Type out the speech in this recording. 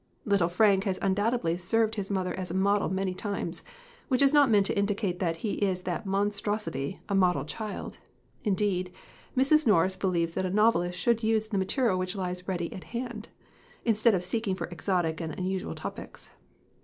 Little Frank has undoubt edly served his mother as a model many times which is not meant to indicate that he is that monstrosity, a model child. Indeed, Mrs. Norris believes that a novelist should use the material which lies ready at hand, instead of seeking for exotic and unusual topics.